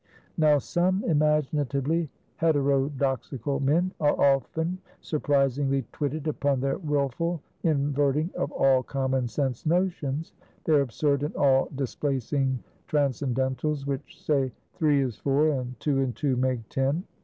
Now some imaginatively heterodoxical men are often surprisingly twitted upon their willful inverting of all common sense notions, their absurd and all displacing transcendentals, which say three is four, and two and two make ten.